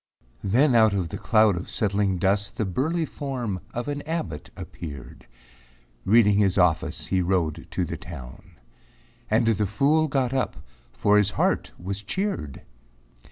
Then out of the cloud of settling dust The burly form of an abbot appeared, Reading his office he rode to the town. And the fool got up, for his heart was cheered.